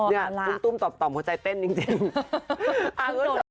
นี่ตุ้มตอบหัวใจเต้นจริง